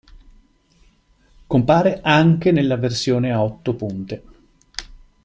Compare anche nella versione a otto punte.